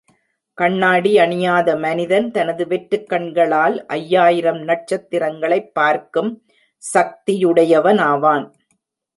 கண்ணாடி அணியாத மனிதன் தனது வெற்றுக்கண்களால் ஐயாயிரம் நட்சத்திரங்களைப் பார்க்கும் சக்தி யுட்டையவனாவான்.